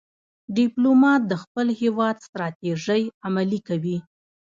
ډيپلومات د خپل هېواد ستراتیژۍ عملي کوي.